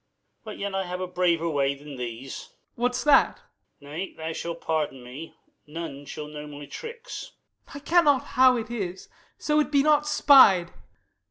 But yet I have a braver way than these. Y. Mor. What's that? Light. Nay, you shall pardon me; none shall know my tricks. Y. Mor. I care not how it is, so it be not spied.